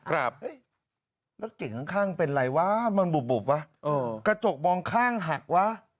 รถเก่งข้างเป็นอะไรวะมันบุบวะกระจกมองข้างหักวะ